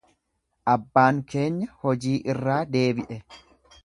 Abbaan keenya hojii irraa deebi’e.